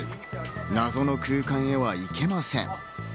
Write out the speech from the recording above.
謎の空間へは行けません。